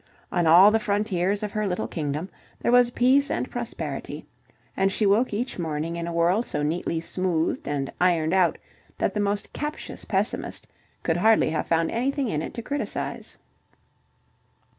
On all the frontiers of her little kingdom there was peace and prosperity, and she woke each morning in a world so neatly smoothed and ironed out that the most captious pessimist could hardly have found anything in it to criticize.